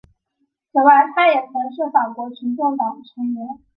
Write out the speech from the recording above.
此外他也曾是法国群众党成员。